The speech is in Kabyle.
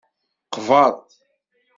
Qbeṛ.